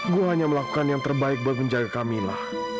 gua hanya melakukan yang terbaik buat menjaga kamila